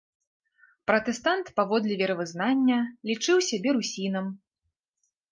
Пратэстант паводле веравызнання, лічыў сябе русінам.